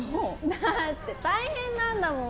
だって大変なんだもん